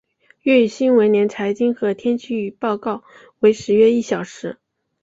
粤语新闻连财经和天气报告为时约一小时。